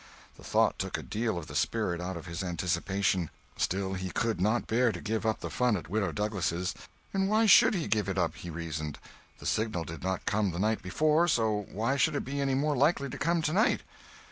The thought took a deal of the spirit out of his anticipations. Still he could not bear to give up the fun at Widow Douglas'. And why should he give it up, he reasoned—the signal did not come the night before, so why should it be any more likely to come tonight?